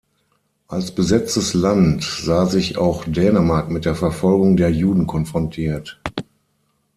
Als besetztes Land sah sich auch Dänemark mit der Verfolgung der Juden konfrontiert.